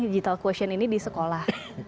digital question ini di sekolah